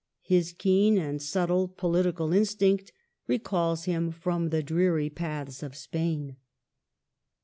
His keen and subtle political instinct recalls him from the dreary paths of Spain.